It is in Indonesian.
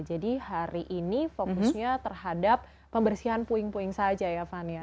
jadi hari ini fokusnya terhadap pembersihan puing puing saja ya fania